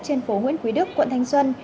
trên phố nguyễn quý đức quận thanh xuân